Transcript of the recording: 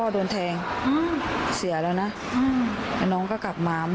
เดียวดาย